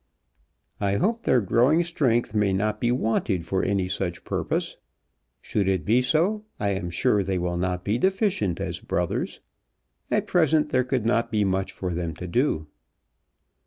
"I hope their growing strength may not be wanted for any such purpose. Should it be so I am sure they will not be deficient as brothers. At present there could not be much for them to do."